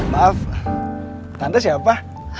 maaf tante siapa